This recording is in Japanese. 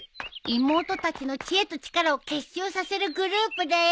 妹たちの知恵と力を結集させるグループだよ。